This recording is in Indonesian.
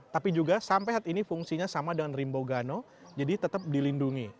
tapi juga sampai hari ini fungsinya sama dengan rimbogano jadi tetap dilindungi